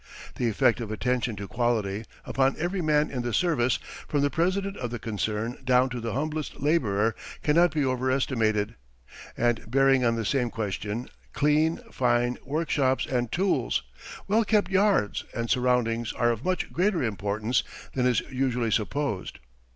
The effect of attention to quality, upon every man in the service, from the president of the concern down to the humblest laborer, cannot be overestimated. And bearing on the same question, clean, fine workshops and tools, well kept yards and surroundings are of much greater importance than is usually supposed.